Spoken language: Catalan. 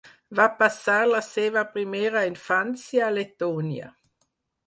Va passar la seva primera infància a Letònia.